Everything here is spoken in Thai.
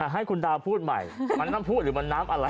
ให้คุณดาวพูดใหม่มันน้ำผู้หรือมันน้ำอะไร